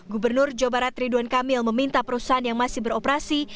gubernur jawa barat ridwan kamil meminta perusahaan yang masih beroperasi